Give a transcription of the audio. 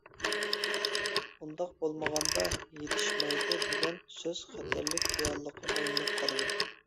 ئۇنداق بولمىغاندا يېتىشمەيدۇ دېگەن سۆز خەتەرلىك رېئاللىققا ئايلىنىپ قالىدۇ.